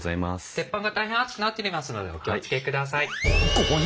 鉄板が大変熱くなっておりますのでお気を付けください。